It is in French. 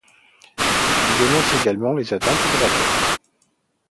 Il dénonce également les atteintes aux droits de l’homme.